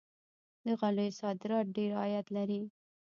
د غالیو صادرات ډیر عاید لري.